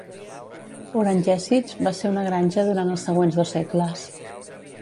"Oranjezicht" va ser una granja durant els següents dos segles.